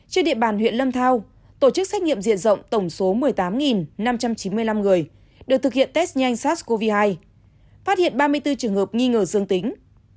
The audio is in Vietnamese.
trên địa bàn huyện lâm thao tổ chức xét nghiệm diện rộng tổng số một mươi tám năm trăm chín mươi năm người được thực hiện test nhanh sars cov hai phát hiện ba mươi bốn trường hợp nghi ngờ dương tính